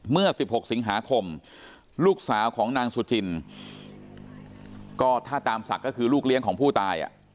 เมื่อ๑๖สิงหาคมลูกสาวของนางสุจินก็ถ้าตามศักดิ์ก็คือลูกเลี้ยงของผู้ตาย